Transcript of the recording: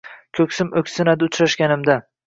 Ko’nglim o’ksinadi uchrashganimda